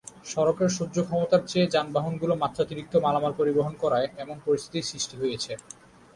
সড়কের সহ্য-ক্ষমতার চেয়ে যানবাহনগুলো মাত্রাতিরিক্ত মালামাল পরিবহন করায় এমন পরিস্থিতির সৃষ্টি হয়েছে।